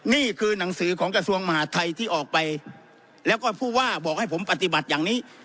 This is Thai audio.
นี่คือหนังสือของกระทรวงมหาทัยที่ออกไปแล้วก็ผู้ว่าบอกให้ผมปฏิบัติอย่างนี้